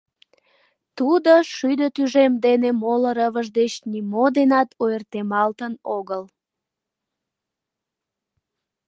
Тудо шӱдӧ тӱжем дене моло рывыж деч нимо денат ойыртемалтын огыл.